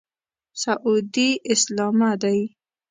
سعودي اسلامه دی.